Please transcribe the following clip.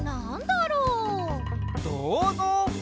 「どうぞう！」